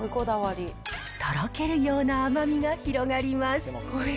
とろけるような甘みが広がります。